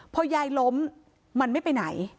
พอยายล้มมันไม่ไปไหน